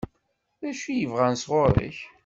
D acu i bɣan sɣur-k?